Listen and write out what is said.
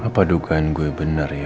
apa dugaan gue bener ya